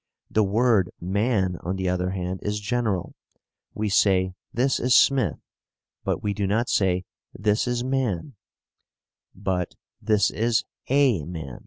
* The word "man," on the other hand, is general. We say, "This is Smith," but we do not say "This is man," but "This is a man."